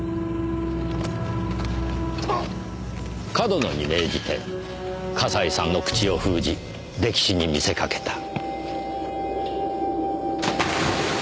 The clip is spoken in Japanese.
上遠野に命じて笠井さんの口を封じ溺死に見せかけた。